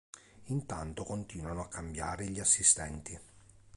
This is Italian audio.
Intanto continuano a cambiare gli assistenti.